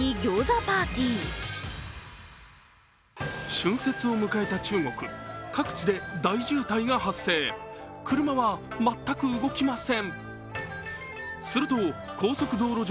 春節を迎えた中国、各地で大渋滞が発生、車は全く動きません。